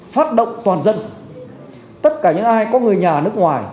phát động toàn dân tất cả những ai có người nhà nước ngoài